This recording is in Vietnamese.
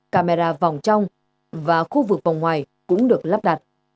camera vòng trong và khu vực vòng ngoài cũng được lắp đặt